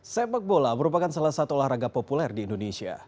sepak bola merupakan salah satu olahraga populer di indonesia